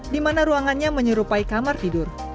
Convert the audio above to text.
di mana ruangannya menyerupai kamar tidur